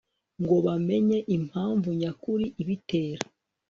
ngo bamenye impamvu nyakuri ibitera